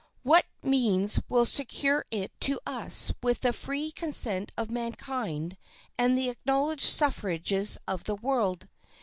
What means will secure it to us with the free consent of mankind and the acknowledged suffrages of the world?